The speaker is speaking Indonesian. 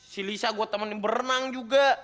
si lisa gue temenin berenang juga